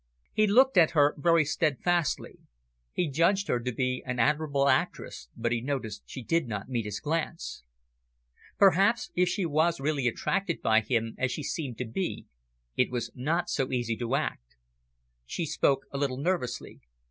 He looked at her very steadfastly. He judged her to be an admirable actress, but he noticed she did not meet his glance. Perhaps if she was really attracted by him, as she seemed to be, it was not so easy to act. She spoke a little nervously.